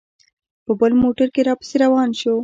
په بل موټر کې را پسې روان شو.